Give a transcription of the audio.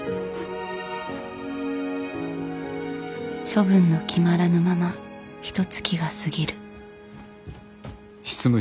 処分の決まらぬままひとつきが過ぎる。